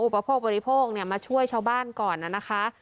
อุปพบุริโภคเนี่ยมาช่วยชาวบ้านก่อนนะคะ